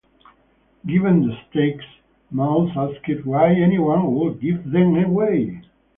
Given the stakes, Mauss asked why anyone would give them away?